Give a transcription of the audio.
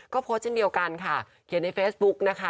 ก็โพสต์เช่นเดียวกันค่ะเขียนในเฟซบุ๊กนะคะ